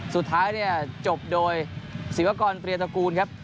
สุดท้ายเนี่ยจบโดยศิวากรเปรียตระกูลครับ